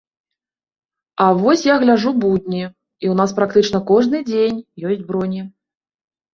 А вось я гляджу будні, і ў нас практычна кожны дзень ёсць броні.